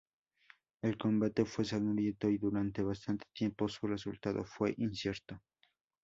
El combate fue sangriento, y durante bastante tiempo su resultado fue incierto.